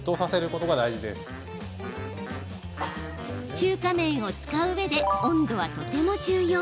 中華麺を使ううえで温度はとても重要。